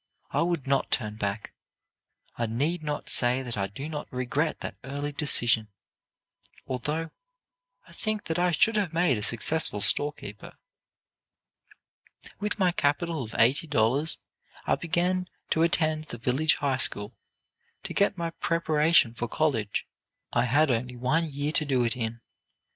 I would not turn back. I need not say that I do not regret that early decision, although I think that I should have made a successful storekeeper. "With my capital of eighty dollars, I began to attend the village high school, to get my preparation for college. I had only one year to do it in.